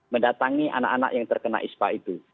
mendatangi anak anak yang terkena ispa itu